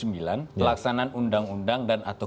pelaksanaan undang undang dan atau